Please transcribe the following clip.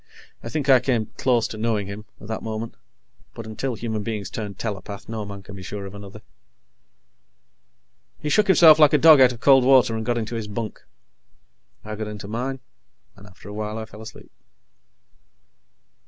I think I came close to knowing him, at that moment, but until human beings turn telepath, no man can be sure of another. He shook himself like a dog out of cold water, and got into his bunk. I got into mine, and after a while I fell asleep.